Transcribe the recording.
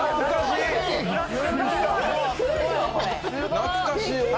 懐かしい！